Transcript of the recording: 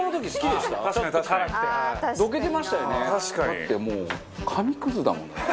だって、もう、紙クズだもん。